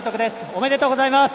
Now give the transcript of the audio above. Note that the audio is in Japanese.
おめでとうございます。